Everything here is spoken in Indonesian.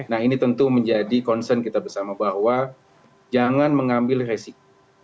nah ini tentu menjadi concern kita bersama bahwa jangan mengambil resiko